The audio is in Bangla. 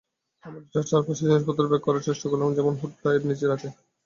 আমরা এটার চারপাশে জিনিসপত্র প্যাক করার চেষ্টা করলাম, যেমন হুডটা এর নীচে রাখা।